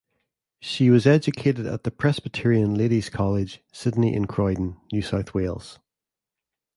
She was educated at the Presbyterian Ladies' College, Sydney in Croydon, New South Wales.